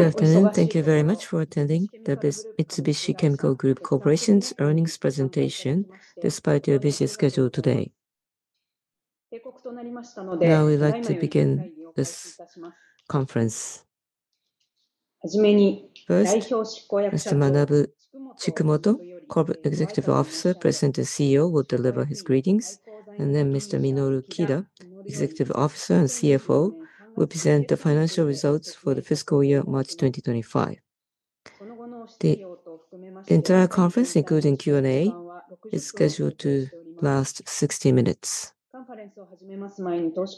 Good afternoon. Thank you very much for attending the Mitsubishi Chemical Group Corporation's Earnings Presentation, despite your busy schedule today. Now, we'd like to begin this conference. First, Mr. Manabu Chikumoto, Corporate Executive Officer, President and CEO, will deliver his greetings. Mr. Minoru Kida, Executive Officer and CFO, will present the financial results for the fiscal year March 2025. The entire conference, including Q&A, is scheduled to last 60 minutes.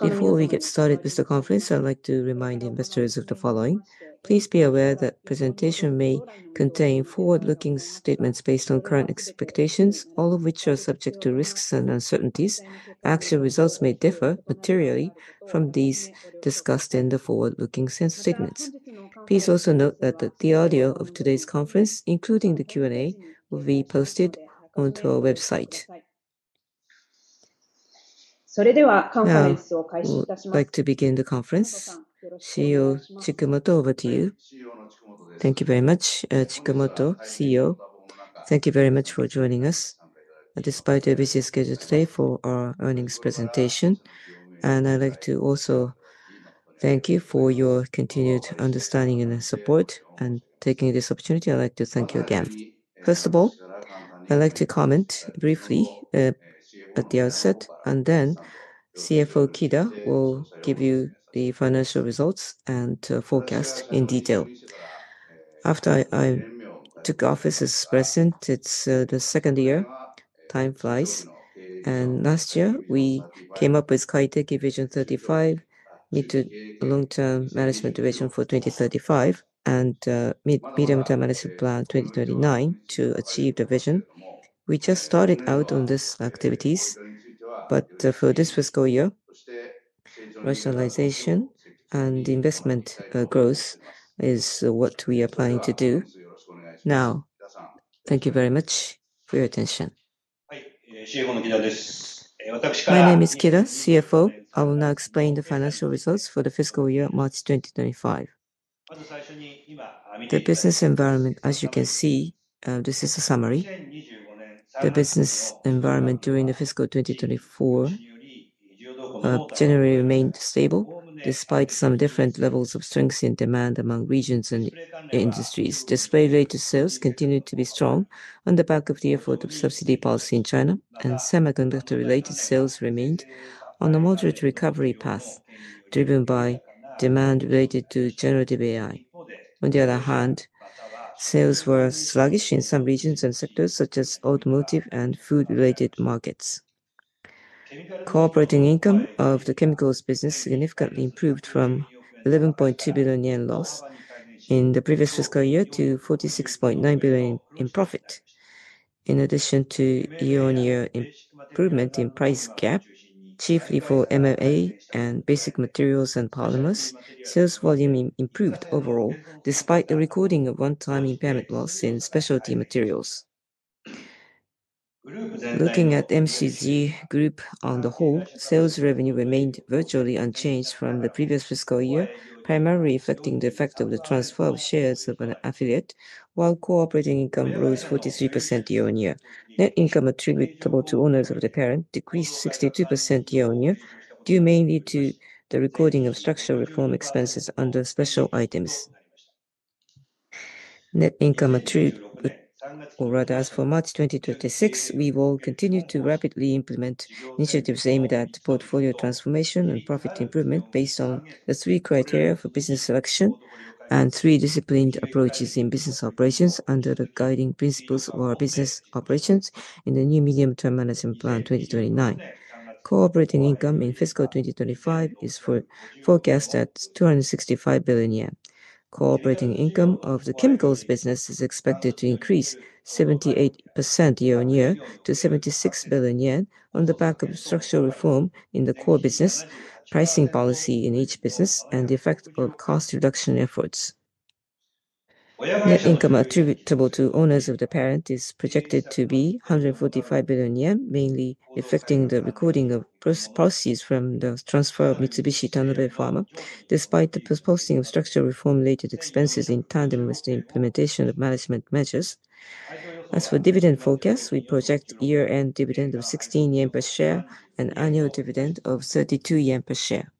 Before we get started with the conference, I'd like to remind investors of the following: please be aware that the presentation may contain forward-looking statements based on current expectations, all of which are subject to risks and uncertainties. Actual results may differ materially from these discussed in the forward-looking statements. Please also note that the audio of today's conference, including the Q&A, will be posted onto our website. それでは、I'd like to begin the conference. CEO Chikumoto, over to you. Thank you very much, Chikumoto, CEO. Thank you very much for joining us, despite your busy schedule today, for our earnings presentation. I would like to also thank you for your continued understanding and support and taking this opportunity, I'd like to thank you again. First of all, I'd like to comment briefly at the outset, and then CFO Kida will give you the financial results and forecast in detail. After I took office as president, it's the second year, time flies. Last year, we came up with KAITEKI Vision 35, a long-term management vision for 2035, and a medium-term management plan for 2029 to achieve the vision. We just started out on these activities, but for this fiscal year, rationalization and investment growth is what we are planning to do. Now, thank you very much for your attention. My name is Kida, CFO. I will now explain the financial results for the Fiscal Year March 2025. The business environment, as you can see, this is a summary. The business environment during the Fiscal 2024 of January remained stable, despite some different levels of strength in demand among regions and industries. Display-related sales continued to be strong on the back of the effort of subsidy policy in China, and semiconductor-related sales remained on a moderate recovery path, driven by demand related to generative AI. On the other hand, sales were sluggish in some regions and sectors, such as automotive and food-related markets. Core operating income of the chemicals business significantly improved from 11.2 billion yen loss in the previous Fiscal Year to 46.9 billion in profit. In addition to year-on-year improvement in price gap, chiefly for MMA and basic materials and polymers, sales volume improved overall, despite the recording of one-time impairment loss in specialty materials. Looking at MCG group on the whole, sales revenue remained virtually unchanged from the previous fiscal year, primarily reflecting the effect of the transfer of shares of an affiliate, while cooperating income rose 43% year-on-year. Net income attributable to owners of the parent decreased 62% year-on-year, due mainly to the recording of structural reform expenses under special items. Net income attributable or rather, as for March 2026, we will continue to rapidly implement initiatives aimed at portfolio transformation and profit improvement based on the three criteria for business selection and three disciplined approaches in business operations under the guiding principles of our business operations in the new medium-term management plan, 2029. Operating income in Fiscal 2025 is forecast at 265 billion yen. Core operating income of the chemicals business is expected to increase 78% year-on-year to 76 billion yen on the back of structural reform in the core business, pricing policy in each business, and the effect of cost reduction efforts. Net income attributable to owners of the parent is projected to be 145 billion yen, mainly affecting the recording of policies from the transfer of Mitsubishi Tanabe Pharma, despite the post-posting of structural reform-related expenses in tandem with the implementation of management measures. As for dividend forecasts, we project year-end dividend of 16 yen per share and annual dividend of 32 yen per share.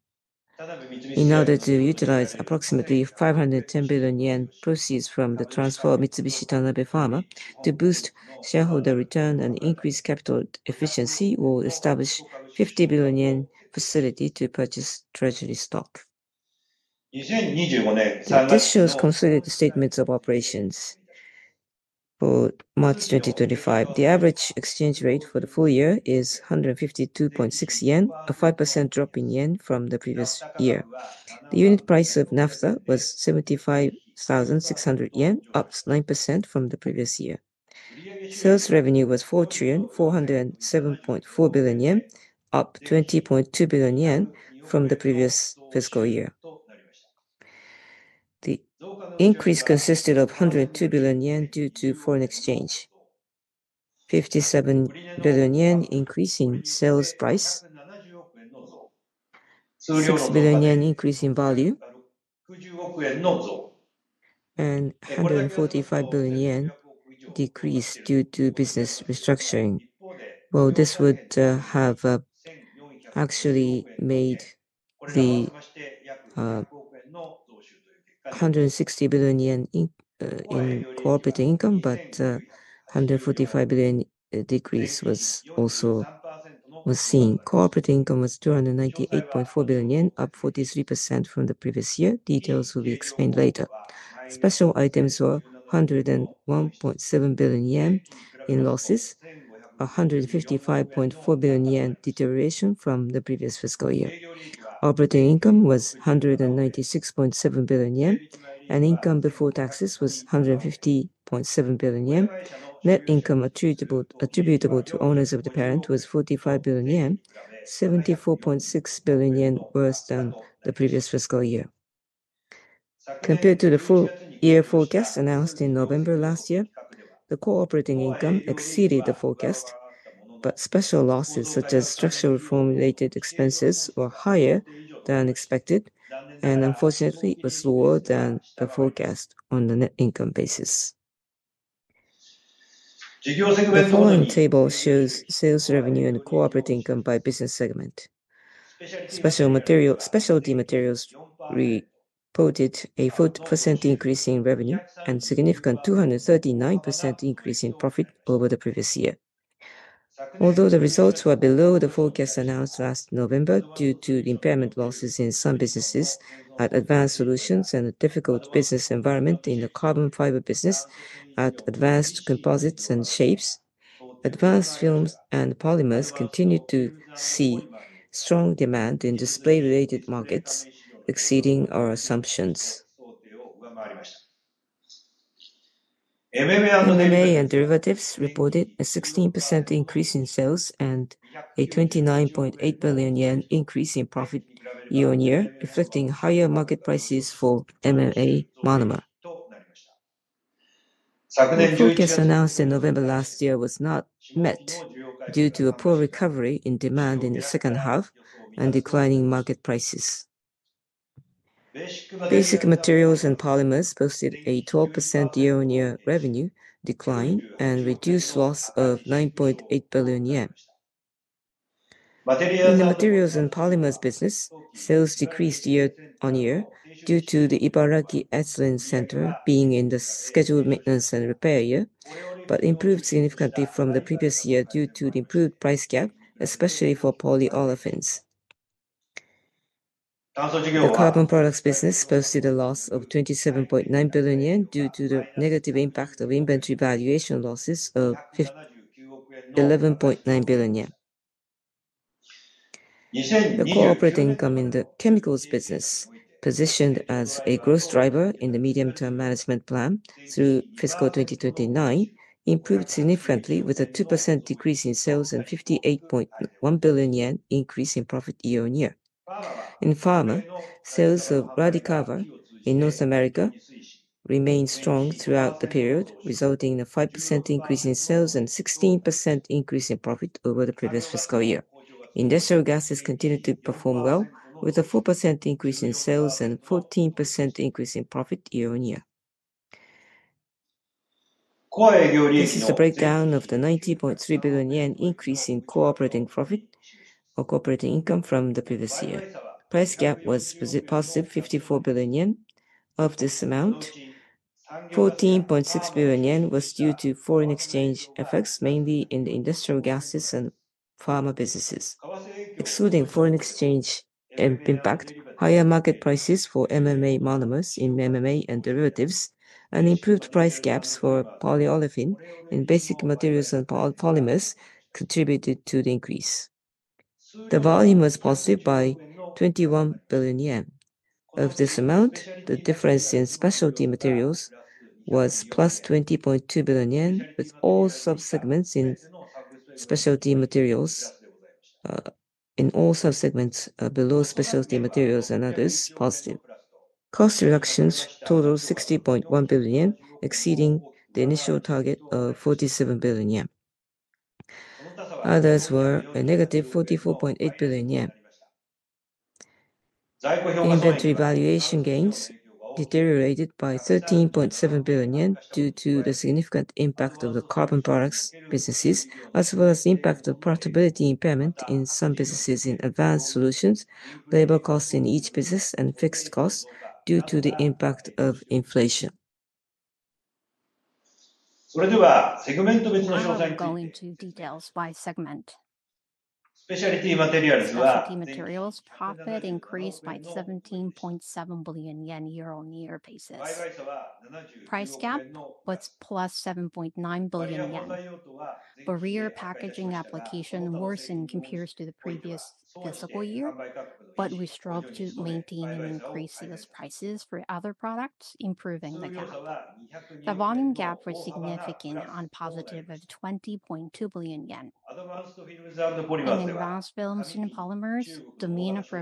In order to utilize approximately 510 billion yen proceeds from the transfer of Mitsubishi Tanabe Pharma to boost shareholder return and increase capital efficiency, we will establish a 50 billion yen facility to purchase treasury stock. This shows consolidated statements of operations for March 2025. The average exchange rate for the full year is 152.6 yen, a 5% drop in yen from the previous year. The unit price of naphtha was 75,600 yen, up 9% from the previous year. Sales revenue was 4,407.4 billion yen, up 20.2 billion yen from the previous fiscal year. The increase consisted of 102 billion yen due to foreign exchange, 57 billion yen increase in sales price, 6 billion yen increase in value, and 145 billion yen decrease due to business restructuring. While this would have actually made the 160 billion yen in corperate income, but 145 billion decrease was also seen. Corperate income was 298.4 billion yen, up 43% from the previous year. Details will be explained later. Special items were 101.7 billion yen in losses, 155.4 billion yen deterioration from the previous fiscal year. Operating income was 196.7 billion yen. Income before taxes was 150.7 billion yen. Net income attributable to owners of the parent was 45 billion yen, 74.6 billion yen worse than the previous fiscal year. Compared to the full-year forecast announced in November last year, the cooperating income exceeded the forecast, but special losses such as structural reform-related expenses were higher than expected, and unfortunately, it was lower than the forecast on the net income basis. The following table shows sales revenue and corporate income by business segment. Specialty materials reported a 40% increase in revenue and a significant 239% increase in profit over the previous year. Although the results were below the forecast announced last November due to the impairment losses in some businesses at advanced solutions and a difficult business environment in the carbon fiber business at advanced composites and shapes. Advanced films and polymers continued to see strong demand in display-related markets, exceeding our assumptions. MMA and derivatives reported a 16% increase in sales and a 29.8 billion yen increase in profit year-on-year, reflecting higher market prices for MMA polymer. The forecast announced in November last year was not met due to a poor recovery in demand in the second half and declining market prices. Basic materials and polymers posted a 12% year-on-year revenue decline and reduced loss of 9.8 billion yen. In the materials and polymers business, sales decreased year-on-year due to the Ibaraki Ethylene Center being in the scheduled maintenance and repair year, but improved significantly from the previous year due to the improved price gap, especially for polyolefins. The carbon products business posted a loss of 27.9 billion yen due to the negative impact of inventory valuation losses of 11.9 billion yen. The corporate income in the chemicals business, positioned as a growth driver in the medium-term management plan through Fiscal 2029, improved significantly with a 2% decrease in sales and a 58.1 billion yen increase in profit year-on-year. In pharma, sales of Radicava in North America remained strong throughout the period, resulting in a 5% increase in sales and a 16% increase in profit over the previous fiscal year. Industrial gas has continued to perform well, with a 4% increase in sales and a 14% increase in profit year-on-year. This is a breakdown of the 90.3 billion yen increase in core operating income from the previous year. Price gap was positive 54 billion yen. Of this amount, 14.6 billion yen was due to foreign exchange effects, mainly in the industrial gases and pharma businesses. Excluding foreign exchange impact, higher market prices for MMA monomers in MMA and derivatives, and improved price gaps for polyolefins in basic materials and polymers contributed to the increase. The volume was positive by 21 billion yen. Of this amount, the difference in specialty materials was plus 20.2 billion yen, with all subsegments in specialty materials and others positive. Cost reductions totaled 60.1 billion yen, exceeding the initial target of 47 billion yen. Others were a negative 44.8 billion yen. Inventory valuation gains deteriorated by 13.7 billion yen due to the significant impact of the carbon products businesses, as well as the impact of profitability impairment in some businesses in advanced solutions, labor costs in each business, and fixed costs due to the impact of inflation. Specialty materials profit increased by 17.7 billion yen year-on-year basis. Price gap was plus 7.9 billion yen. Barrier packaging application worsened compared to the previous fiscal year, but we strove to maintain and increase sales prices for other products, improving the gap. The volume gap was significant and positive of 20.2 billion yen. Advanced films and polymers, demand for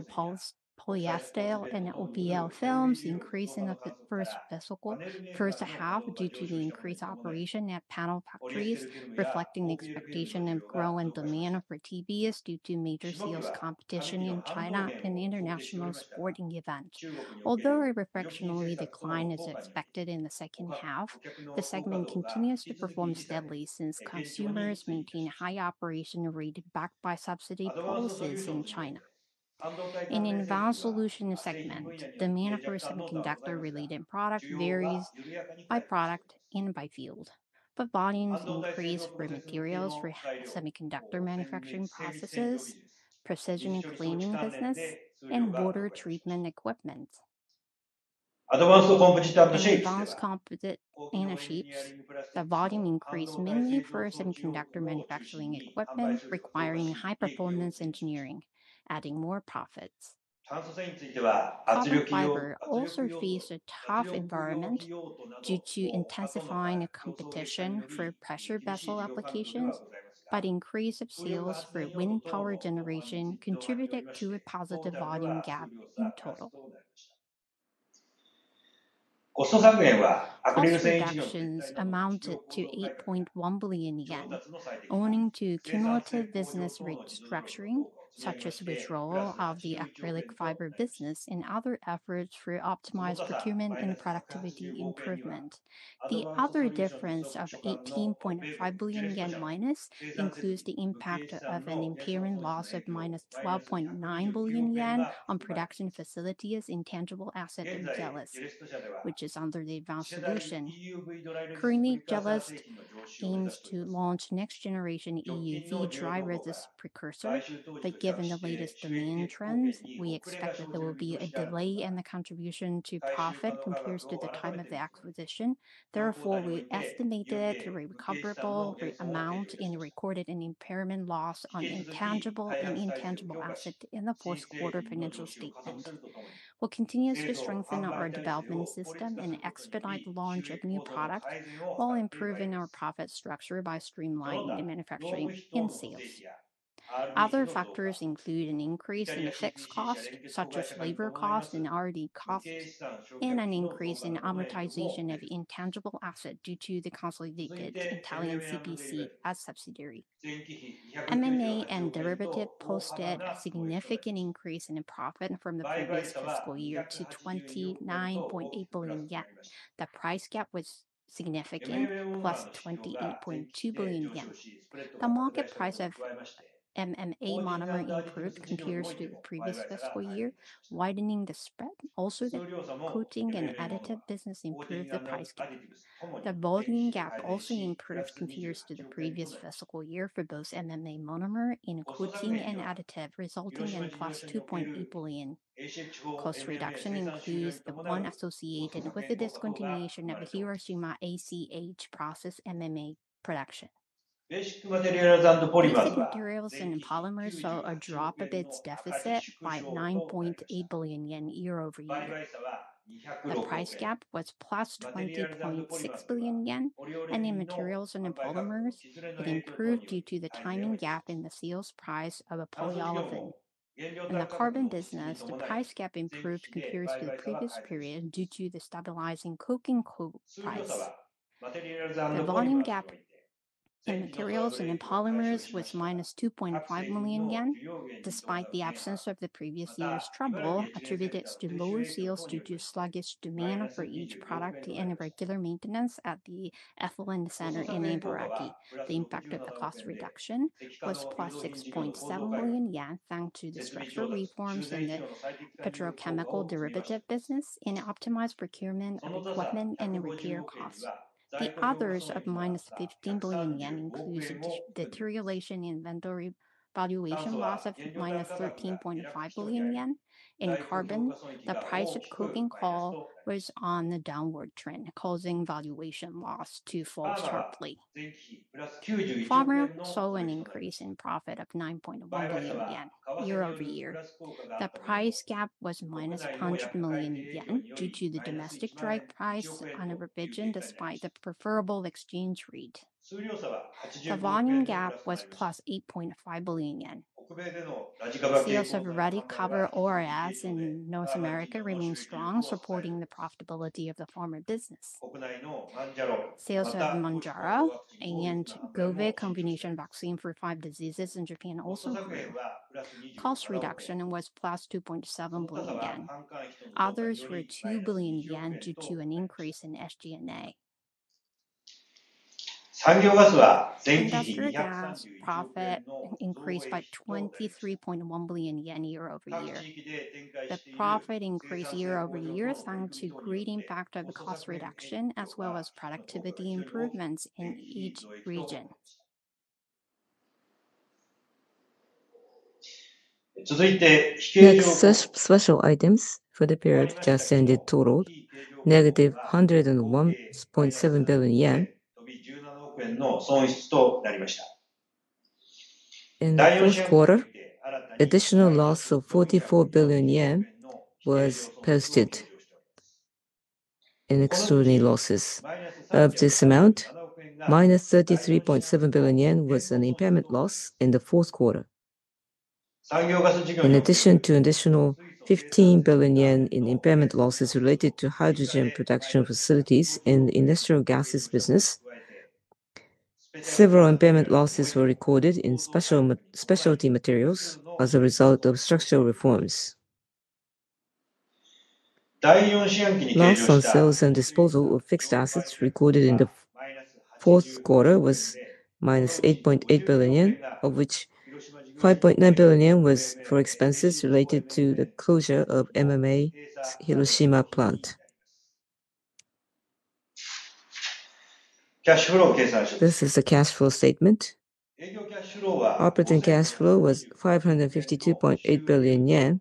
polyester and OPL films increased in the first fiscal first half due to the increased operation at panel factories, reflecting the expectation of growing demand for TBS due to major sales competition in China and international sporting events. Although a refractionary decline is expected in the second half, the segment continues to perform steadily since consumers maintain a high operation rate backed by subsidy policies in China. In the advanced solution segment, demand for semiconductor-related products varies by product and by field, but volumes increase for materials for semiconductor manufacturing processes, precision and cleaning business, and water treatment equipment. In advanced composite and shapes, the volume increased mainly for semiconductor manufacturing equipment requiring high-performance engineering, adding more profits. Also faced a tough environment due to intensifying competition for pressure vessel applications, but increase of sales for wind power generation contributed to a positive volume gap in total. Manufacturing production amounted to 8.1 billion yen, owing to cumulative business restructuring, such as withdrawal of the acrylic fiber business and other efforts through optimized procurement and productivity improvement. The other difference of 18.5 billion yen minus includes the impact of an impairment loss of minus 12.9 billion yen on production facilities in tangible asset and Gelest, which is under the advanced solution. Currently, Gelest aims to launch next-generation EUV dry resist precursor, but given the latest demand trends, we expect that there will be a delay in the contribution to profit compared to the time of the acquisition. Therefore, we estimated it to a recoverable amount and recorded an impairment loss on intangible and in tangible asset in the fourth quarter financial statement. We'll continue to strengthen our development system and expedite the launch of new products while improving our profit structure by streamlining in manufacturing and sales. Other factors include an increase in fixed costs, such as labor costs and R&D costs, and an increase in amortization of intangible asset due to the consolidated Italian CPC as subsidiary. MMA and derivatives posted a significant increase in profit from the previous fiscal year to 29.8 billion yen. The price gap was significant, plus 28.2 billion yen. The market price of MMA monomer improved compares to the previous fiscal year, widening the spread. Also, the coating and additive business improved the price gap. The volume gap also improved compared to the previous fiscal year for both MMA monomer and coating and additive, resulting in plus 2.8 billion. Cost reduction includes the one associated with the discontinuation of the Hiroshima ACH process MMA production. Materials and polymers saw a drop of its deficit by 9.8 billion yen year-over-year. The price gap was plus 20.6 billion yen, and in materials and in polymers had improved due to the timing gap in the sales price of a polyolefin. In the carbon business, the price gap improved compared to the previous period due to the stabilizing coking coal price. The volume gap in materials and in polymers was minus 2.5 million yen, despite the absence of the previous year's trouble attributed to lower sales due to sluggish demand for each product and irregular maintenance at the Ethylene Center in Ibaraki. The impact of the cost reduction was plus 6.7 million yen, thanks to the structural reforms in the petrochemical derivative business and optimized procurement of equipment and repair costs. The others of minus 15 billion yen includes deterioration in inventory valuation loss of minus 13.5 billion yen. In carbon, the price of coking coal was on the downward trend, causing valuation loss to fall sharply. Pharma saw an increase in profit of 9.1 billion yen year-over-year. The price gap was minus 100 million yen due to the domestic dry price and a revision despite the preferable exchange rate. The volume gap was plus 8.5 billion yen. Sales of Radicava ORS in North America remained strong, supporting the profitability of the pharma business. Sales of Mounjaro and Gove combination vaccine for five diseases in Japan also saw a cost reduction and was plus 2.7 billion yen. Others were 2 billion yen due to an increase in SG&A. Industrial gas profit increased by 23.1 billion yen year-over-year. The profit increased year-over-year, thanks to great impact of the cost reduction as well as productivity improvements in each region. Next special items for the period just ended totaled negative JPY 101.7 billion. In the first quarter, additional loss of 44 billion yen was posted in extraordinary losses. Of this amount, minus 33.7 billion yen was an impairment loss in the fourth quarter. In addition to additional 15 billion yen in impairment losses related to hydrogen production facilities and industrial gases business, several impairment losses were recorded in specialty materials as a result of structural reforms. Loss on sales and disposal of fixed assets recorded in the fourth quarter was minus 8.8 billion yen, of which 5.9 billion yen was for expenses related to the closure of MMA's Hiroshima plant. This is a cash flow statement. Operating cash flow was 552.8 billion yen.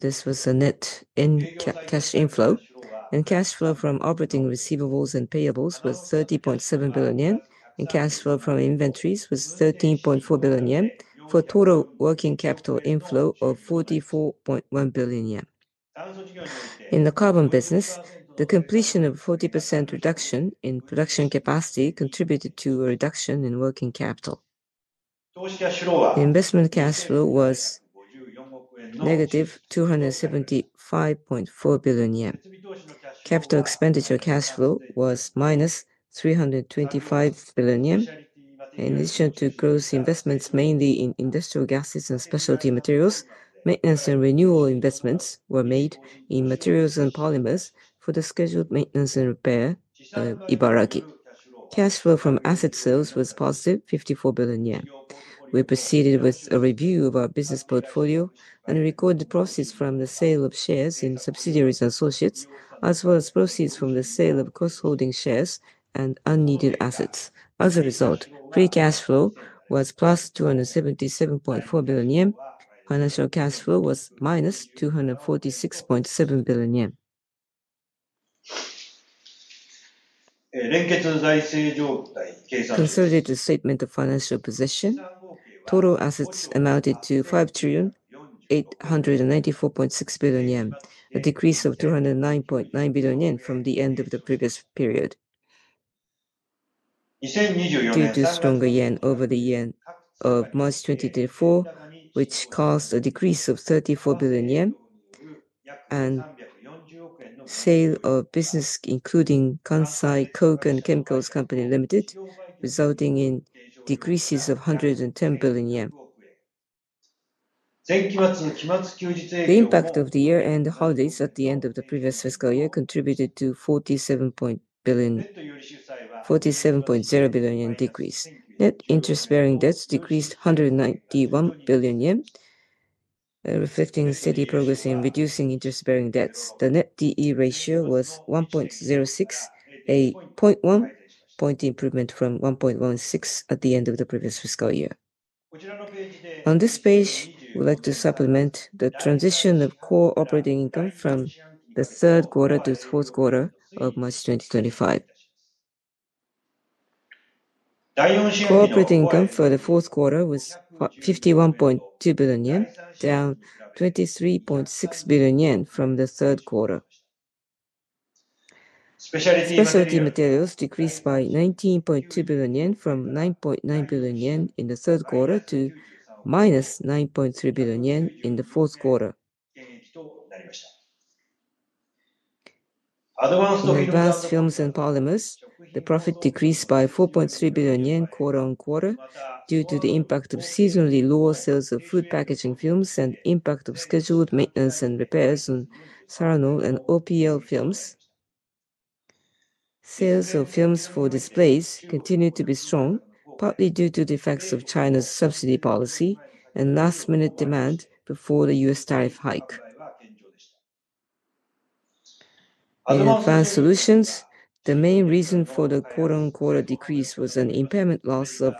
This was a net in cash inflow. Cash flow from operating receivables and payables was 30.7 billion yen, and cash flow from inventories was 13.4 billion yen for total working capital inflow of 44.1 billion yen. In the carbon business, the completion of a 40% reduction in production capacity contributed to a reduction in working capital. Investment cash flow was negative 275.4 billion yen. Capital expenditure cash flow was minus 325 billion yen. In addition to gross investments mainly in industrial gases and specialty materials, maintenance and renewal investments were made in materials and polymers for the scheduled maintenance and repair of Ibaraki. Cash flow from asset sales was positive, 54 billion yen. We proceeded with a review of our business portfolio and record the proceeds from the sale of shares in subsidiaries and associates, as well as proceeds from the sale of cross-holding shares and unneeded assets. As a result, free cash flow was plus 277.4 billion yen. Financial cash flow was minus 246.7 billion yen. Consolidated statement of financial position, total assets amounted to 5,894.6 billion yen, a decrease of 209.9 billion yen from the end of the previous period. Due stronger Yen over the year of March 2024, which caused a decrease of 34 billion yen, and sale of business including Kansai Koken Chemicals Company Limited, resulting in decreases of 110 billion yen. The impact of the year-end holidays at the end of the previous fiscal year contributed to 47.0 billion decrease. Net interest-bearing debts decreased 191 billion yen, reflecting a steady progress in reducing interest-bearing debts. The net debt-to-equity ratio was 1.06, a 0.1-point improvement from 1.16 at the end of the previous fiscal year. On this page, we'd like to supplement the transition of core operating income from the third quarter to the Fourth Quarter of March 2025. Core operating income for the fourth quarter was 51.2 billion yen, down 23.6 billion yen from the third quarter. Specialty materials decreased by 19.2 billion yen from 9.9 billion yen in the third quarter to minus 9.3 billion yen in the fourth quarter. In advanced films and polymers, the profit decreased by 4.3 billion yen quarter on quarter due to the impact of seasonally lower sales of food packaging films and the impact of scheduled maintenance and repairs on Saranol and OPL films. Sales of films for displays continued to be strong, partly due to the effects of China's subsidy policy and last-minute demand before the U.S. tariff hike. In advanced solutions, the main reason for the quarter-on-quarter decrease was an impairment loss of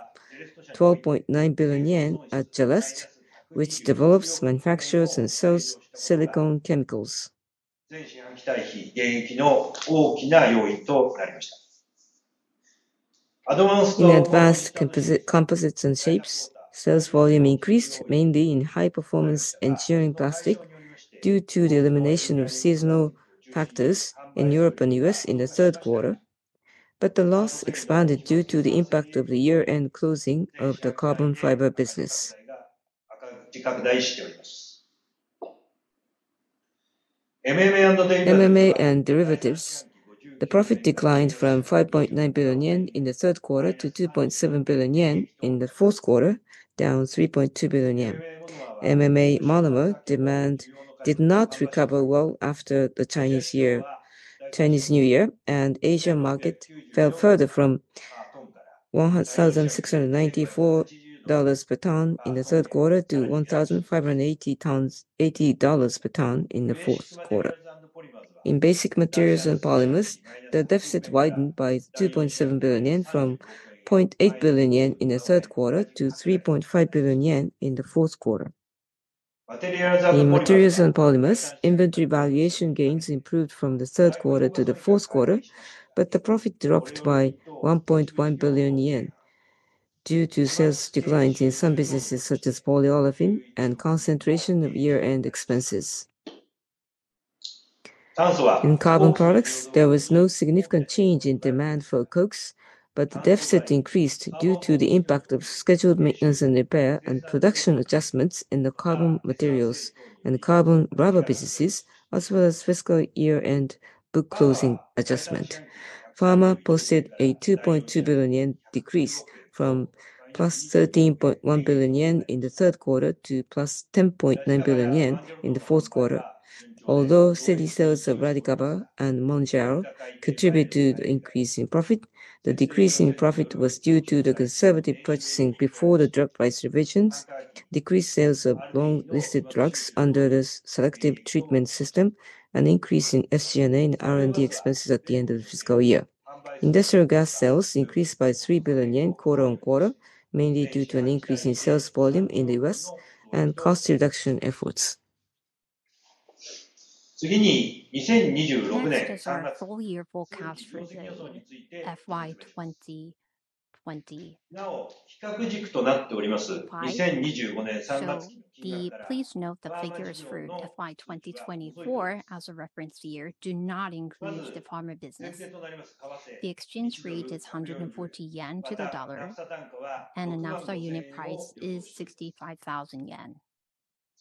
12.9 billion yen at Gelest, which develops, manufactures, and sells silicone chemicals. In advanced composites and shapes, sales volume increased mainly in high-performance engineering plastic due to the elimination of seasonal factors in Europe and the U.S. in the third quarter, but the loss expanded due to the impact of the year-end closing of the carbon fiber business. MMA and derivatives, the profit declined from 5.9 billion yen in the third quarter to 2.7 billion yen in the fourth quarter, down 3.2 billion yen. MMA monomer demand did not recover well after the Chinese New Year, and the Asian market fell further from $1,694 per ton in the third quarter to $1,580 per ton in the fourth quarter. In basic materials and polymers, the deficit widened by 2.7 billion yen from 0.8 billion yen in the third quarter to 3.5 billion yen in the fourth quarter. In materials and polymers, inventory valuation gains improved from the third quarter to the fourth quarter, but the profit dropped by 1.1 billion yen due to sales declines in some businesses such as polyolefin and concentration of year-end expenses. In carbon products, there was no significant change in demand for Cokes, but the deficit increased due to the impact of scheduled maintenance and repair and production adjustments in the carbon materials and carbon rubber businesses, as well as fiscal year-end book closing adjustment. Pharma posted a 2.2 billion yen decrease from plus 13.1 billion yen in the third quarter to plus 10.9 billion yen in the fourth quarter. Although steady sales of Radicava and Mounjaro contribute to the increase in profit, the decrease in profit was due to the conservative purchasing before the drug price revisions, decreased sales of long-listed drugs under the selective treatment system, and increase in SG&A and R&D expenses at the end of the fiscal year. Industrial gas sales increased by 3 billion yen quarter on quarter, mainly due to an increase in sales volume in the U.S. and cost reduction efforts. Please note the figures for FY 2024 as a reference year do not include the pharma business. The exchange rate is 140 yen to the dollar, and an after-unit price is 65,000 yen.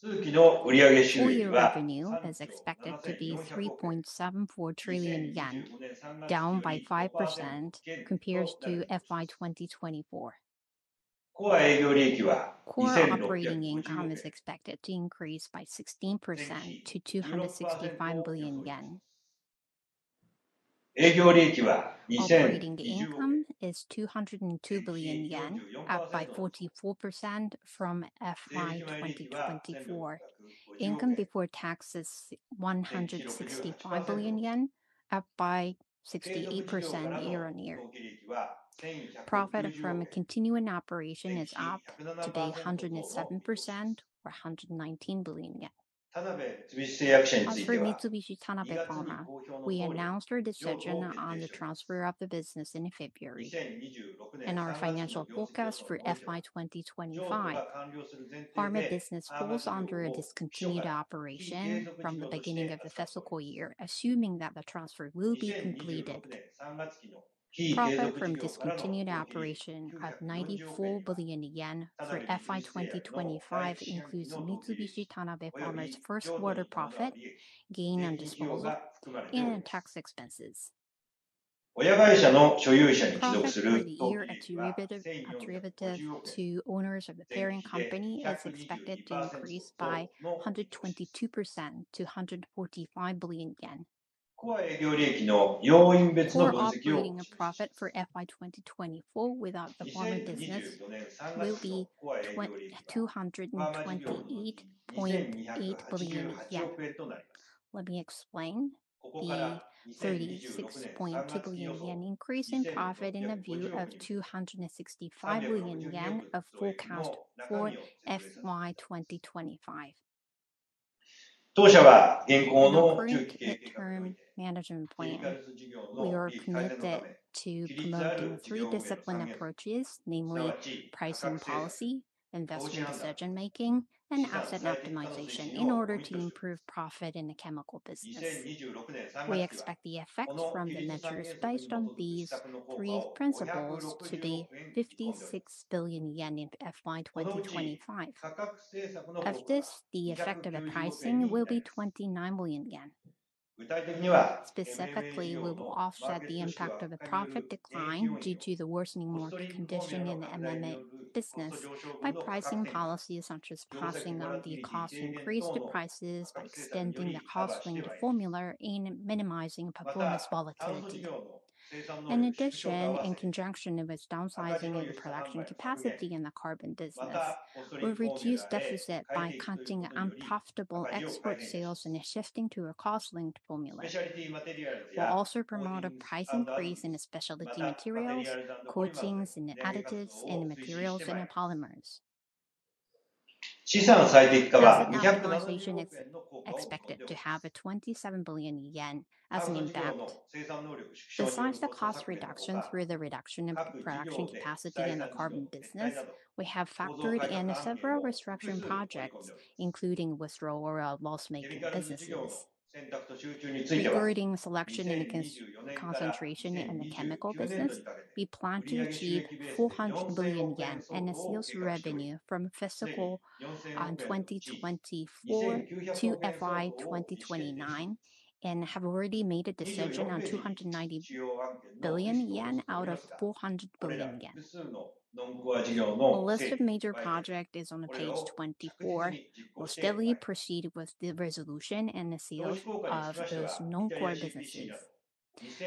Full year revenue is expected to be 3.74 trillion yen, down by 5% compared to FY 2024. Core operating income is expected to increase by 16% to 265 billion yen. Operating income is 202 billion yen, up by 44% from FY 2024. Income before tax is 165 billion yen, up by 68% year-on-year. Profit from a continuing operation is up today 107% or 119 billion yen. As for Mitsubishi Tanabe Pharma, we announced our decision on the transfer of the business in February. In our financial forecast for FY 2025, pharma business falls under a discontinued operation from the beginning of the fiscal year, assuming that the transfer will be completed. Profit from discontinued operation of 94 billion yen for FY 2025 includes Mitsubishi Tanabe Pharma's first-quarter profit, gain and disposal, and tax expenses. Profit from the year-end derivative to owners of the parent company is expected to increase by 122% to JPY 145 billion. Core operating profit for FY 2024 without the pharma business will be 228.8 billion yen. Let me explain the 36.2 billion yen increase in profit in the view of JPY 265 billion of forecast for FY 2025. The current midterm managing point, we are committed to promoting three discipline approaches, namely pricing policy, investment decision-making, and asset optimization in order to improve profit in the chemical business. We expect the effects from the measures based on these three principles to be JPY 56 billion in FY 2025. Of this, the effect of the pricing will be 29 billion yen. Specifically, we will offset the impact of the profit decline due to the worsening market condition in the MMA business by pricing policies such as passing on the cost increase to prices by extending the cost-linked formula and minimizing performance volatility. In addition, in conjunction of its downsizing of the production capacity in the carbon business, we'll reduce deficit by cutting unprofitable export sales and shifting to a cost-linked formula. We'll also promote a price increase in specialty materials, coatings, additives, and materials in polymers. The finalization is expected to have a 27 billion yen as an impact. Besides the cost reduction through the reduction of production capacity in the carbon fiber business, we have factored in several restructuring projects, including withdrawal of loss-making businesses. Including selection and concentration in the chemical business, we plan to achieve 400 billion yen in sales revenue from Fiscal 2024 to FY 2029 and have already made a decision on 290 billion yen out of 400 billion yen. The list of major projects is on page 24. We'll steadily proceed with the resolution and the sales of those non-core businesses.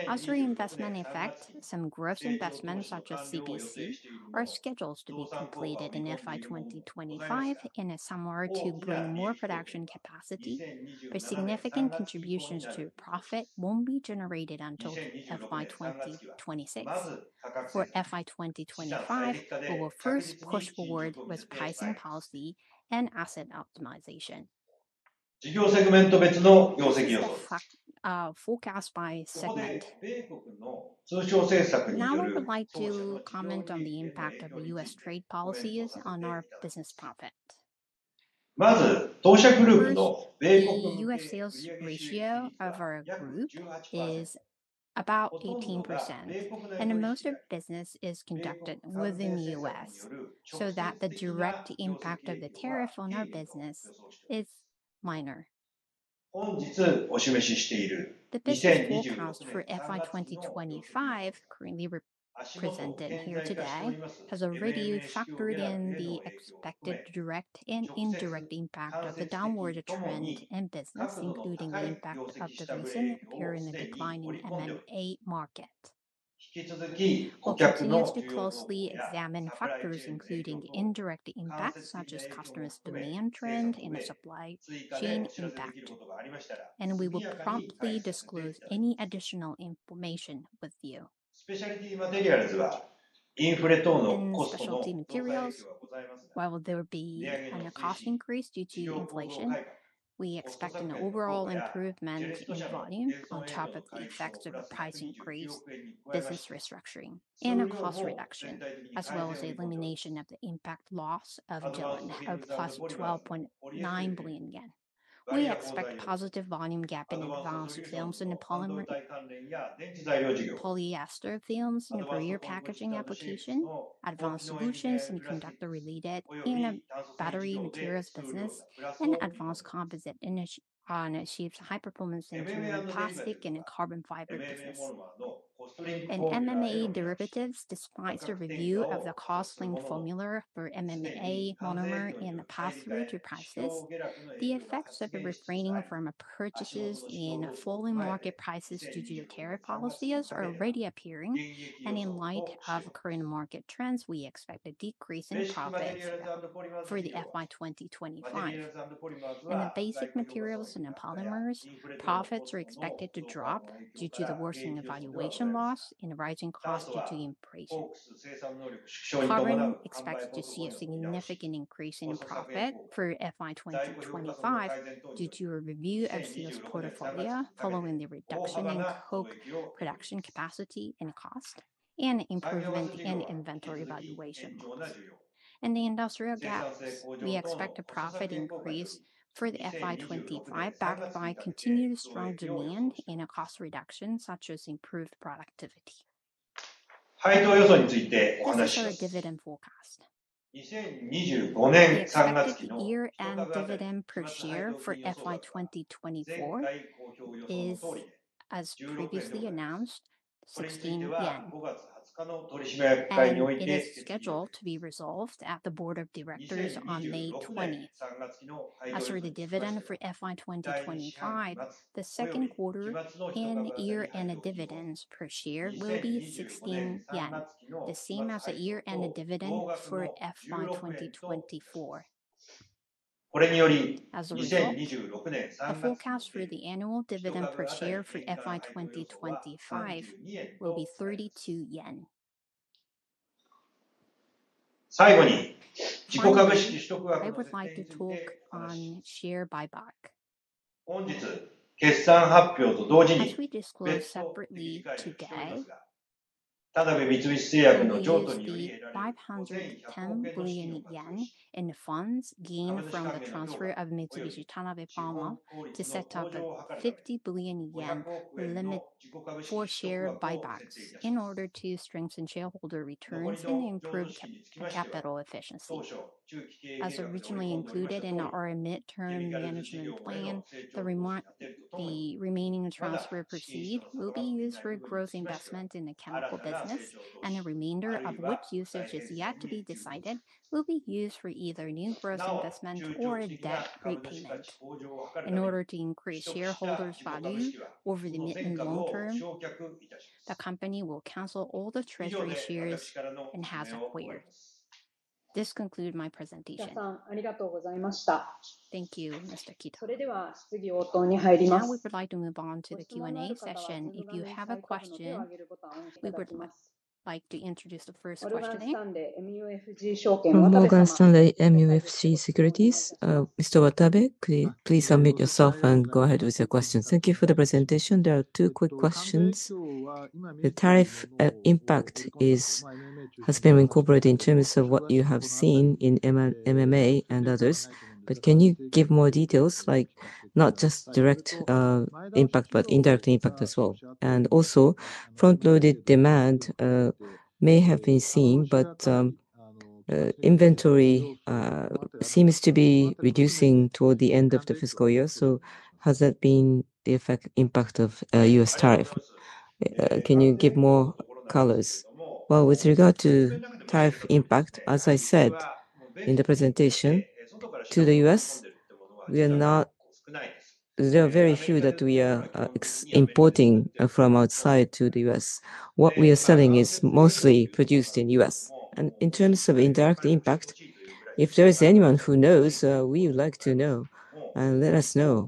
As reinvestment effect, some growth investments such as CBC are scheduled to be completed in FY 2025 in a summer to bring more production capacity, but significant contributions to profit won't be generated until FY 2026. For FY 2025, we will first push forward with pricing policy and asset optimization, forecast by segment. Now, I would like to comment on the impact of the U.S. trade policies on our business profit. U.S. sales ratio of our group is about 18%, and most of the business is conducted within the U.S., so that the direct impact of the tariff on our business is minor. The business forecast for FY 2025, currently presented here today, has already factored in the expected direct and indirect impact of the downward trend in business, including the impact of the recent apparent decline in the MMA market. We'll continue to closely examine factors including indirect impacts such as customers' demand trend and the supply chain impact, and we will promptly disclose any additional information with you. On specialty materials, while there will be a cost increase due to inflation, we expect an overall improvement in volume on top of the effects of the price increase, business restructuring, and a cost reduction, as well as the elimination of the impact loss of 12.9 billion yen. We expect a positive volume gap in advanced films and polyester films in the rear packaging application, advanced solutions and conductor-related in the battery materials business, and advanced composite in a shaped high-performance engineering plastic and carbon fiber business. In MMA derivatives, despite the review of the cost-linked formula for MMA monomer and the pass-through to prices, the effects of refraining from purchases in falling market prices due to the tariff policies are already appearing, and in light of current market trends, we expect a decrease in profits for the FY 2025. In the basic materials and polymers, profits are expected to drop due to the worsening evaluation loss and rising costs due to inflation. Pharma expects to see a significant increase in profit for FY 2025 due to a review of sales portfolio following the reduction in Coke production capacity and cost, and improvement in inventory evaluation loss. In the industrial gases, we expect a profit increase for FY 2025 backed by continued strong demand and a cost reduction such as improved productivity. For the third dividend forecast, we expect the year end dividend on May 20. As for the dividend for 2025, the second quarter and year-end dividends per share will be 16 yen, the same as the year-end dividend for FY 2024. As a result, the forecast for the annual dividend per share for FY 2025 will be JPY 32. Finally, I would like to talk on share buy back. As we disclosed separately today, we will use the 510 billion yen in funds gained from the transfer of Mitsubishi Tanabe Pharma to setup JPY 50 billion to limit for share buy backs in order strengthen shareholder returns and imporve capital efficiency. As originally included in our midterm management plan, the remaining transfer proceeds will be used for growth investment in the chemical business, and the remainder of what usage is yet to be decided will be used for either new growth investment or a debt repayment. In order to increase shareholders' value over the mid and long term, the company will cancel all the treasury shares it has acquired. This concludes my presentation. Thank you. Kida. Now we would like to move on to the Q&A session. If you have a question, we would like to introduce the first questioner. From Morgan Stanley MUFG Securities, Mr. Watabe, please unmute yourself and go ahead with your questions. Thank you for the presentation. There are two quick questions. The tariff impact has been incorporated in terms of what you have seen in MMA and others, but can you give more details, like not just direct impact but indirect impact as well? Also, front-loaded demand may have been seen, but inventory seems to be reducing toward the end of the fiscal year. Has that been the effect impact of U.S. tariff? Can you give more colors? With regard to tariff impact, as I said in the presentation, to the U.S., there are very few that we are importing from outside to the U.S. What we are selling is mostly produced in the U.S. In terms of indirect impact, if there is anyone who knows, we would like to know, and let us know,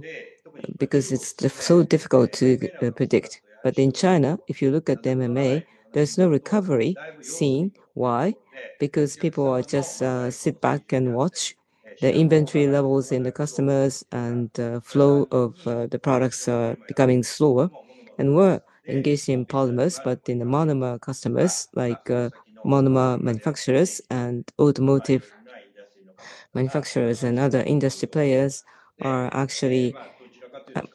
because it's so difficult to predict. In China, if you look at the MMA, there's no recovery seen. Why? Because people are just sitting back and watching the inventory levels in the customers, and the flow of the products are becoming slower. We are engaged in polymers, but in the manumer customers, like manumer manufacturers and automotive manufacturers and other industry players are actually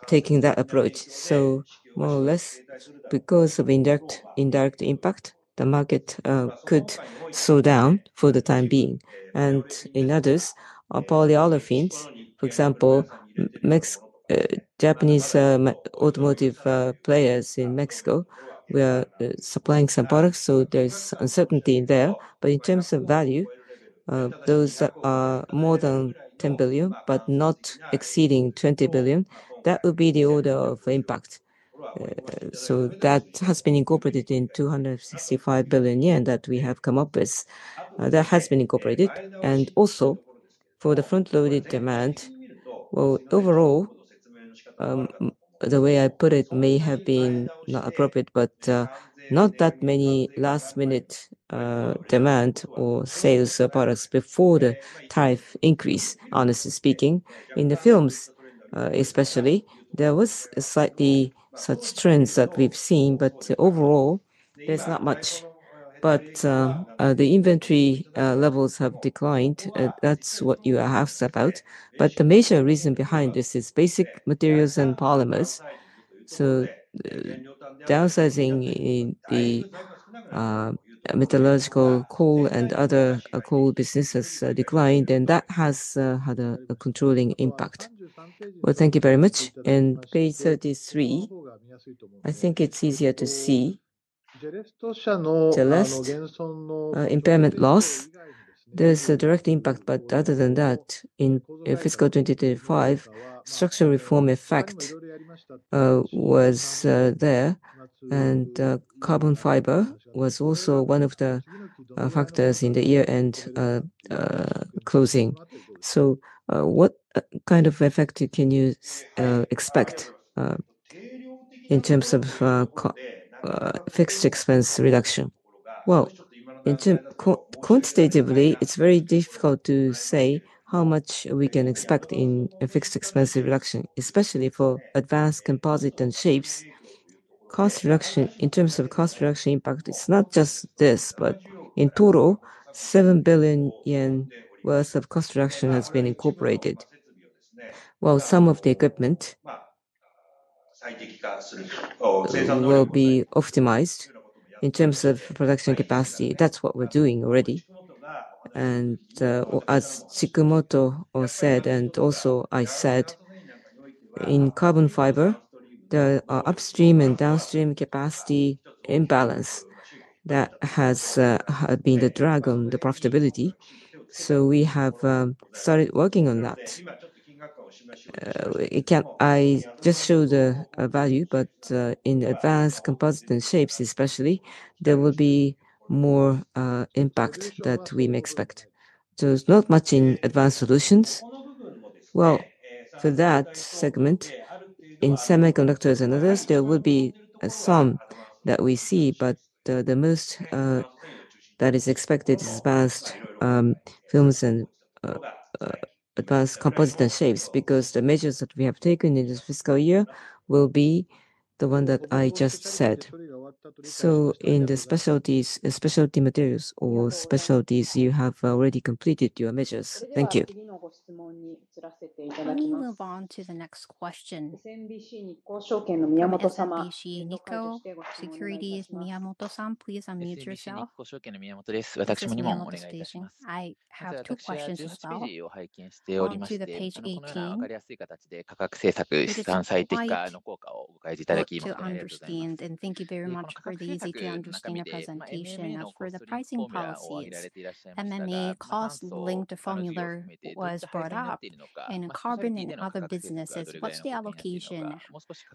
taking that approach. More or less, because of indirect impact, the market could slow down for the time being. In others, polyolefins, for example, Japanese automotive players in Mexico, we are supplying some products, so there is uncertainty there. In terms of value, those are more than 10 billion but not exceeding 20 billion. That would be the order of impact. That has been incorporated in 265 billion yen that we have come up with. That has been incorporated. Also, for the front-loaded demand, overall, the way I put it may have been not appropriate, but not that many last-minute demand or sales of products before the tariff increase. Honestly speaking, in the films, especially, there was slightly such trends that we've seen, but overall, there's not much. The inventory levels have declined. That is what you have stepped out. The major reason behind this is basic materials and polymers. Downsizing in the metallurgical coal and other coal businesses has declined, and that has had a controlling impact. Thank you very much. Page 33, I think it's easier to see the last impairment loss. There is a direct impact, but other than that, in fiscal 2025, structural reform effect was there, and carbon fiber was also one of the factors in the year-end closing. What kind of effect can you expect in terms of fixed expense reduction? Quantitatively, it's very difficult to say how much we can expect in fixed expense reduction, especially for advanced composite and shapes. In terms of cost reduction impact, it's not just this, but in total, 7 billion yen worth of cost reduction has been incorporated. While some of the equipment will be optimized in terms of production capacity, that's what we're doing already. As Chikumoto said, and also I said, in carbon fiber, there are upstream and downstream capacity imbalance that has been the drug on the profitability. We have started working on that. I just showed the value, but in advanced composite and shapes, especially, there will be more impact that we may expect. There's not much in advanced solutions. For that segment, in semiconductors and others, there will be some that we see, but the most that is expected is advanced films and advanced composite and shapes because the measures that we have taken in this fiscal year will be the one that I just said. In the specialty materials or specialties, you have already completed your measures. Thank you. Can you move on to the next question? SMBC Nikko Securities Miyamoto-san, please unmute yourself. I have two questions as well. I have also been looking at SMBC, and thank you very much for the easy-to-understand presentation. For the pricing policies, MMA cost-linked formula was brought up. In carbon and other businesses, what is the allocation?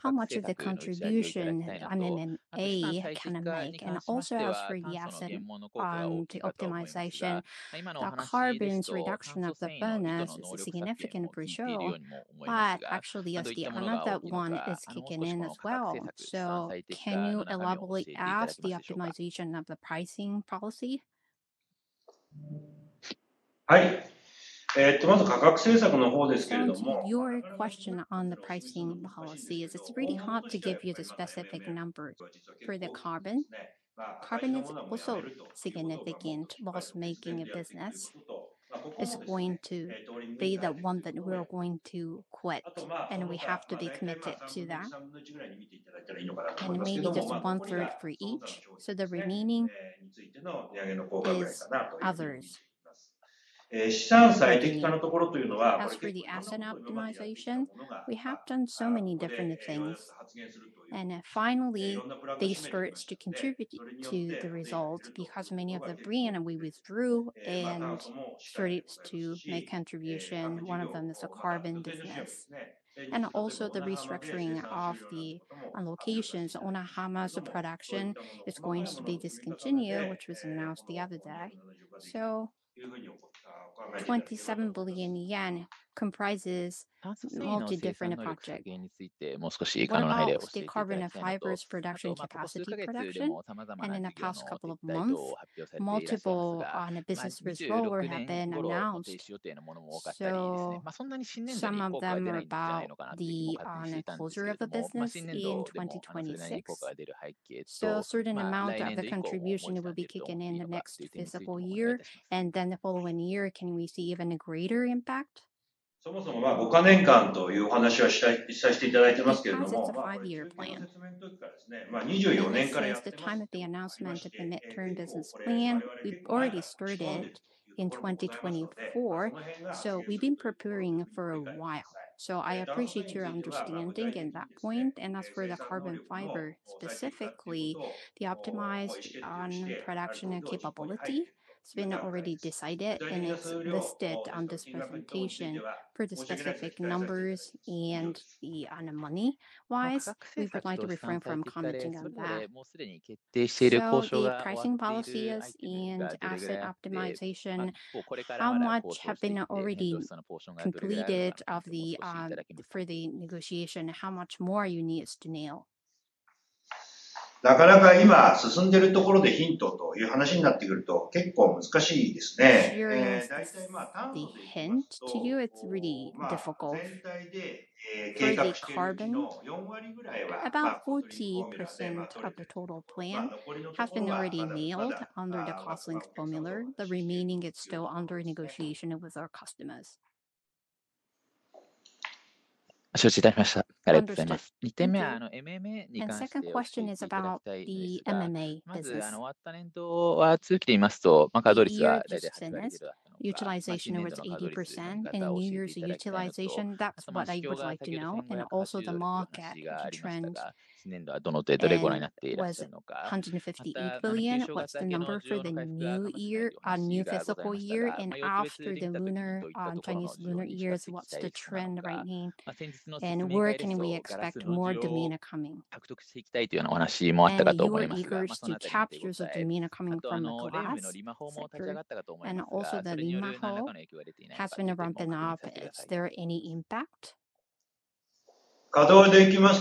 How much of the contribution MMA can I make? Also, as for the asset optimization, the carbon's reduction of the bonus is a significant threshold, but actually, the other one is kicking in as well. Can you elaborate on the optimization of the pricing policy? To answer your question on the pricing policy is, it's really hard to give you the specific numbers for the carbon. Carbon is also significant while making a business. It's going to be the one that we're going to quit, and we have to be committed to that. Maybe just one third for each, so the remaining is others. As for the asset optimization, we have done so many different things. Finally, these groups contribute to the results because many of the brands we withdrew and started to make contributions. One of them is a carbon business. Also, the restructuring of the locations on a harmless production is going to be discontinued, which was announced the other day. 27 billion yen comprises multi-different projects. The carbon and fibers production capacity production, and in the past couple of months, multiple business resolvers have been announced. Some of them are about the closure of the business in 2026. A certain amount of the contribution will be kicking in the next fiscal year, and then the following year, can we see even a greater impact. Its part of the five-year plan. 2024. Since the time of the announcement of the mid-term business plan, we've already started in 2024, so we've been preparing for a while. I appreciate your understanding in that point. As for the carbon fiber specifically, the optimized production and capability has been already decided, and it's listed on this presentation for the specific numbers. And the money-wise, we would like to refer from commenting on that. The pricing policies and asset optimization, how much have been already completed for the negotiation, how much more you need to nail? The hint to you, it's really difficult. For the carbon, about 40% of the total plan have been already nailed under the cost-linked formula. The remaining is still under negotiation with our customers. The second question is about the MMA business. Utilization was 80% in New Year's utilization. That's what I would like to know. Also the market trend and 158 billion. What's the number for the new year, a new fiscal year? After the Chinese Lunar Years, what's the trend right now? Where can we expect more demand coming? The eagerness to capture the demand coming from the last quarter. Also the limahou has been ramping up. Is there any impact? Utilization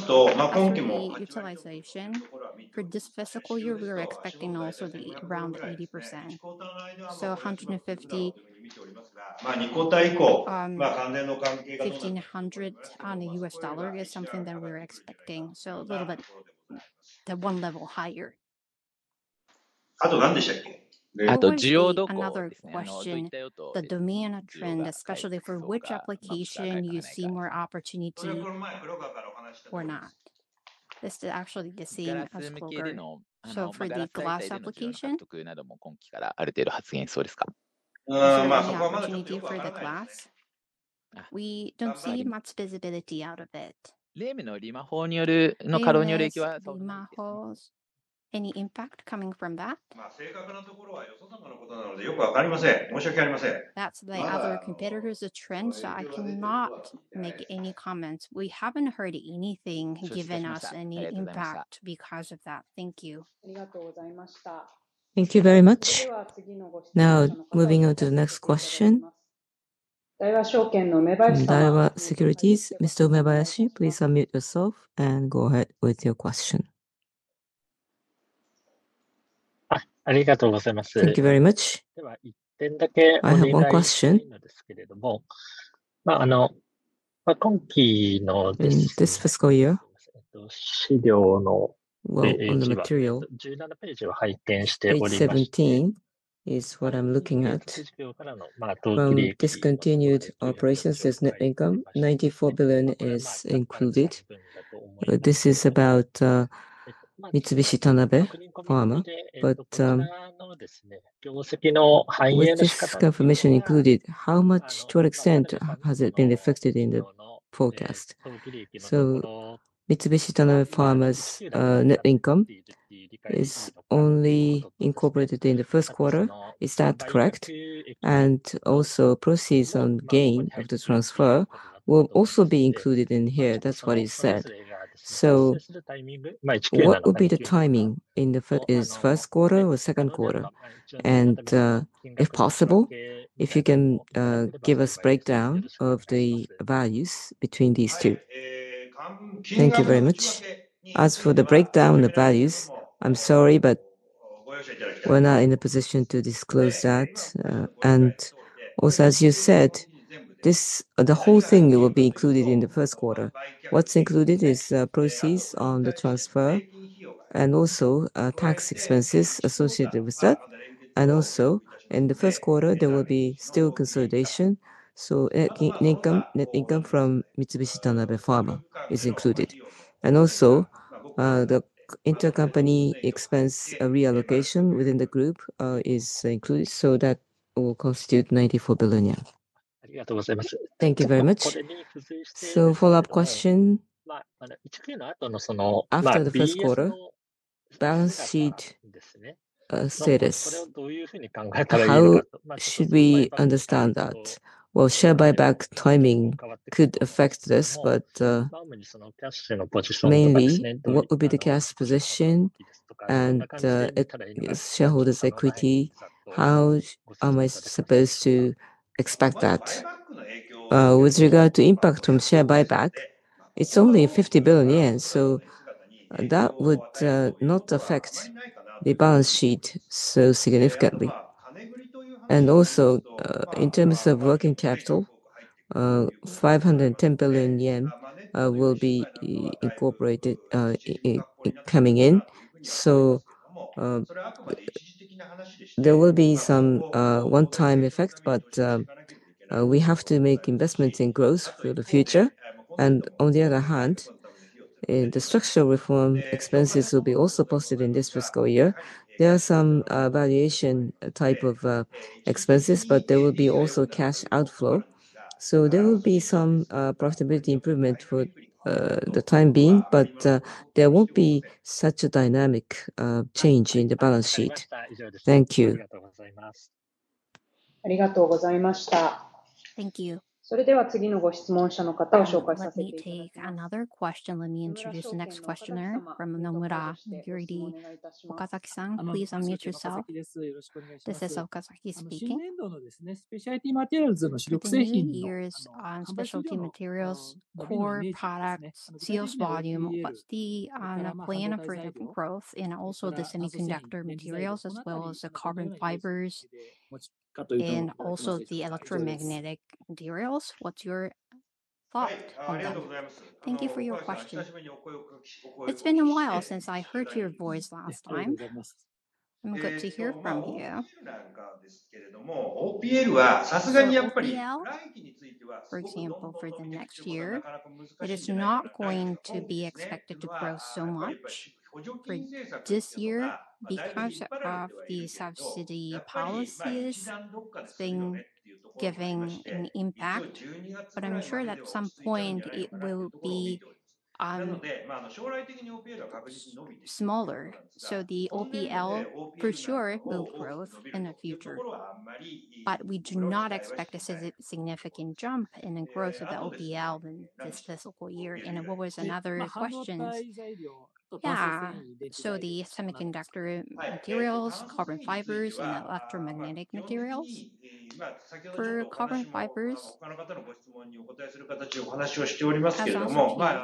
for this fiscal year, we are expecting also to be around 80%. So Nikkota ikou, $1,500 on the U.S. dollar is something that we're expecting. A little bit one level higher. Another question. The demand trend, especially for which application you see more opportunity or not? This is actually the same as Kobe. For the glass application. Continuing for the glass. We do not see much visibility out of it. Limahou. Any impact coming from that? That's the other competitor's trend, so I cannot make any comments. We have not heard anything giving us any impact because of that. Thank you. Thank you very much. Now moving on to the next question. Daiwa Securities. Mr. Uebayashi, please unmute yourself and go ahead with your question. Thank you very much. One more question. In this fiscal year. Page 17 is what I'm looking at. Discontinued operations, there's net income. 94 billion is included. This is about Mitsubishi Tanabe Pharma. This confirmation included, how much, to what extent has it been reflected in the forecast? Mitsubishi Tanabe Pharma's net income is only incorporated in the first quarter. Is that correct? Also, proceeds on gain of the transfer will also be included in here. That's what he said. What would be the timing in the, is first quarter or second quarter? If possible, if you can give us a breakdown of the values between these two. Thank you very much. As for the breakdown of the values, I'm sorry, but we're not in a position to disclose that. Also, as you said, the whole thing will be included in the first quarter. What's included is proceeds on the transfer and also tax expenses associated with that. Also, in the first quarter, there will be still consolidation. Net income from Mitsubishi Tanabe Pharma is included. Also, the intercompany expense reallocation within the group is included. That will constitute 94 billion yen. Thank you very much. Follow-up question. After the first quarter, balance sheet status. How should we understand that? Share buyback timing could affect this, but mainly what would be the cash position and shareholders' equity? How am I supposed to expect that? With regard to impact from share buyback, it's only 50 billion yen. That would not affect the balance sheet so significantly. Also, in terms of working capital, 510 billion yen will be incorporated coming in. There will be some one-time effect, but we have to make investments in growth for the future. On the other hand, the structural reform expenses will be also positive in this fiscal year. There are some valuation type of expenses, but there will also be cash outflow. There will be some profitability improvement for the time being, but there will not be such a dynamic change in the balance sheet. Thank you. Thank you. Let me introduce the next questioner from Nomura Securities. Okasaki-san, please unmute yourself. This is Okasaki speaking. Two years on specialty materials, core products, sales volume. What is the plan for growth in also the semiconductor materials as well as the carbon fibers and also the electromagnetic materials? What is your thought on that? Thank you for your question. It has been a while since I heard your voice last time. I'm good to hear from you. For example, for the next year, it is not going to be expected to grow so much for this year because of the subsidy policies being giving an impact, but I'm sure that at some point it will be smaller. The OPL for sure will grow in the future, but we do not expect a significant jump in the growth of the OPL this fiscal year. What was another question? Yeah. The semiconductor materials, carbon fibers, and electromagnetic materials. For carbon fibers, one of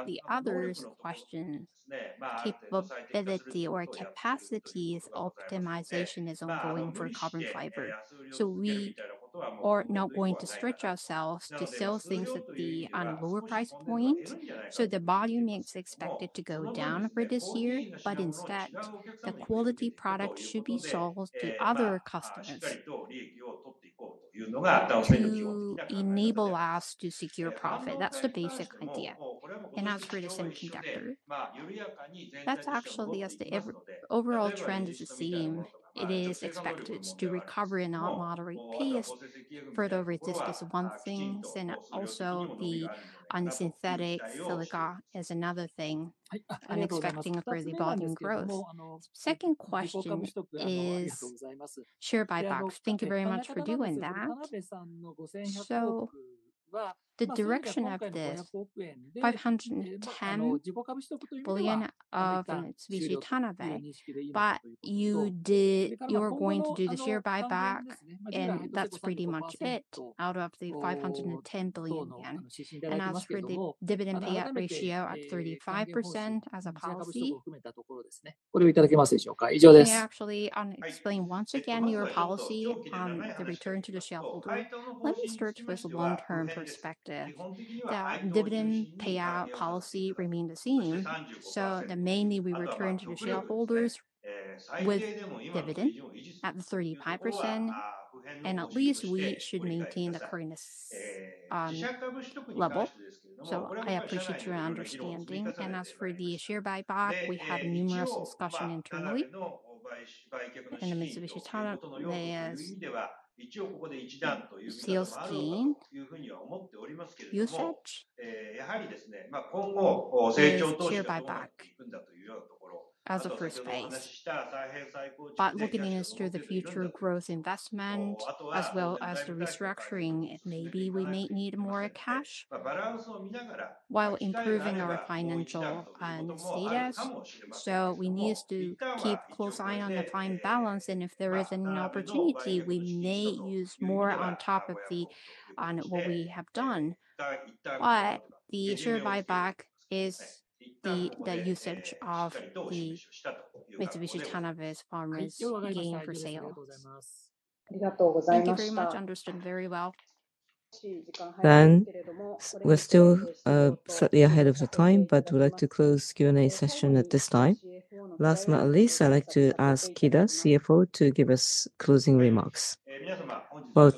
the other questions, capability or capacity optimization is ongoing for carbon fiber. We are not going to stretch ourselves to sell things at the lower price point. The volume is expected to go down for this year, but instead, the quality product should be sold to other customers to enable us to secure profit. thats the basic point here. That's for the semiconductor. That's actually as the overall trend is the same. It is expected to recover at not a moderate pace further with this is one thing, and also the synthetic silica is another thing. I'm expecting for the volume growth. Second question is share buyback. Thank you very much for doing that. The direction of this 510 billion of Mitsubishi Tanabe, but you are going to do the share buyback, and that's pretty much it out of the 510 billion yen. As for the dividend payout ratio at 35% as a policy. We actually explained once again your policy on the return to the shareholder. Let me start with a long-term perspective. The dividend payout policy remained the same. Mainly we return to the shareholders with dividend at 35%, and at least we should maintain the current level. I appreciate your understanding. As for the share buyback, we had numerous discussions internally in the Mitsubishi Tanabe sales team. Looking into the future growth investment as well as the restructuring, maybe we may need more cash while improving our financial status. We need to keep a close eye on the fine balance, and if there is an opportunity, we may use more on top of what we have done. The share buyback is the usage of the Mitsubishi Tanabe's farmers' gain for sale. Thank you very much. Understood very well. We are still slightly ahead of the time, but we would like to close the Q&A session at this time. Last but not least, I would like to ask Kida, CFO, to give us closing remarks.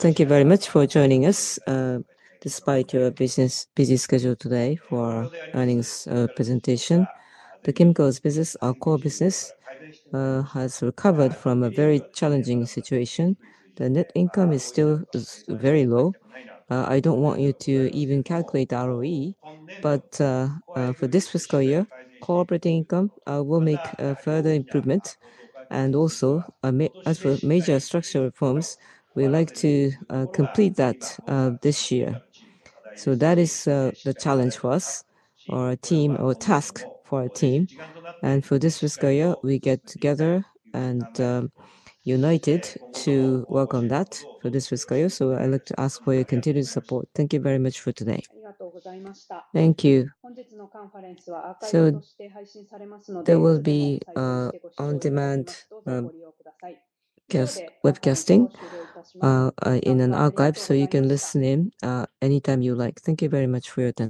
Thank you very much for joining us. Despite your busy schedule today for earnings presentation, the chemicals business, our core business, has recovered from a very challenging situation. The net income is still very low. I do not want you to even calculate the ROE, but for this fiscal year, cooperative income, we will make further improvements. Also, as for major structural reforms, we would like to complete that this year. That is the challenge for us, or our team, or task for our team for this fiscal year, we get together and united to work on that for this fiscal year. I would like to ask for your continued support. Thank you very much for today. Thank you. There will be on-demand webcasting in an archive so you can listen in any time you like. Thank you very much for your time.